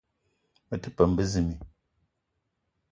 Me te peum bezimbi